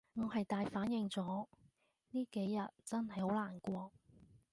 我係大反應咗，呢幾日真係好難過